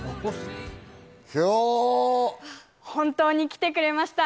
本当に来てくれました。